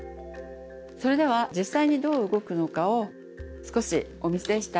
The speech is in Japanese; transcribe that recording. それでは実際にどう動くのかを少しお見せしたいと思います。